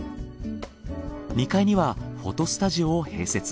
２階にはフォトスタジオを併設。